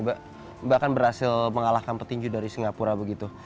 mbak mbak akan berhasil mengalahkan petinju dari singapura begitu